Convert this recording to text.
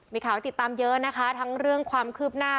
มีข่าวให้ติดตามเยอะนะคะทั้งเรื่องความคืบหน้า